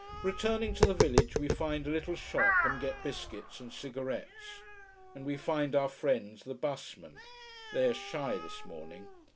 Returning to the village we find a little shop and get biscuits and cigarettes. And we find our friends the bus men. They are shy this morning.